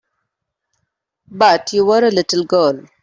But you were a little girl.